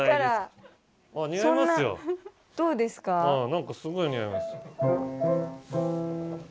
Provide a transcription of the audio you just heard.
何かすごい似合いますよ。